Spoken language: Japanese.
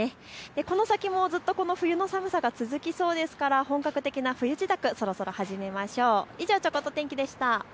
この先もずっとこの冬の寒さが続きそうですから本格的な冬支度、そろそろ始めましょう。